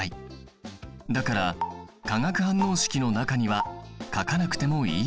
だから化学反応式の中には書かなくてもいいんだ。